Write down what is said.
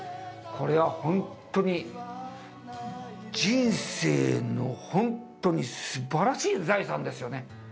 本当に、人生の本当にすばらしい財産ですよね。